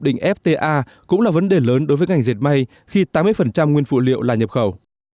định fta cũng là vấn đề lớn đối với ngành diệt may khi tám mươi nguyên phụ liệu là nhập khẩu